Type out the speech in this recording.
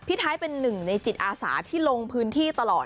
ไทยเป็นหนึ่งในจิตอาสาที่ลงพื้นที่ตลอด